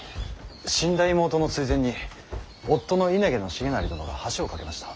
死んだ妹の追善に夫の稲毛重成殿が橋を架けました。